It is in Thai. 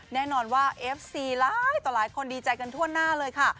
แน่นอนว่าเอฟซีหลายต่อหลายคนดีใจกันทั่วหน้าเลยค่ะ